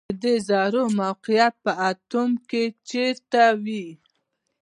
د دې ذرو موقعیت په اتوم کې چیرته وي